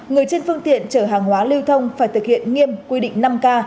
người trên phương tiện chở hàng hóa lưu thông phải thực hiện nghiêm quy định năm k